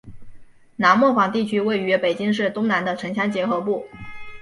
南磨房地区位于北京市东南的城乡结合部。